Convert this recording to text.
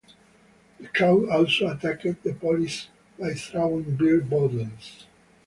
The crowd also attacked the police by throwing beer bottles.